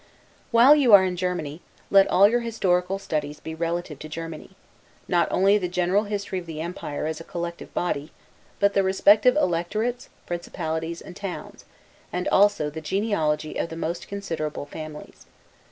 While you are in Germany, let all your historical studies be relative to Germany; not only the general history of the empire as a collective body; but the respective electorates, principalities, and towns; and also the genealogy of the most considerable families.